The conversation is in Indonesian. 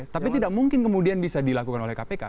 tapi tidak mungkin kemudian bisa dilakukan oleh kpk